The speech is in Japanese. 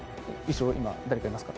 後ろ今誰かいますか？